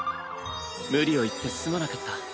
無理を言ってすまなかった。